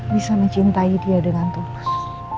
bisa mencintai dia dengan tunas